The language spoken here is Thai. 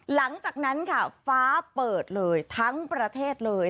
หลังจากนั้นค่ะฟ้าเปิดเลยทั้งประเทศเลย